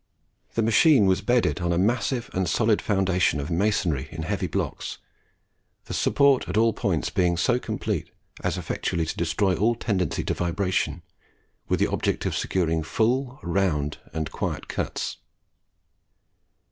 The machine was bedded on a massive and solid foundation of masonry in heavy blocks, the support at all points being so complete as effectually to destroy all tendency to vibration, with the object of securing full, round, and quiet cuts.